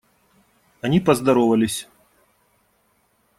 Они поздоровались.